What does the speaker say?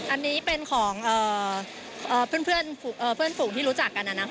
อันนี้เป็นของเพื่อนฝูงที่รู้จักกัน